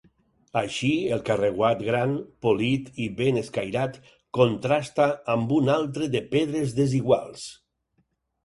Així, el carreuat gran, polit i ben escairat, contrasta amb un altre de pedres desiguals.